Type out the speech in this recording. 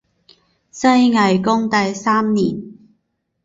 西魏恭帝三年。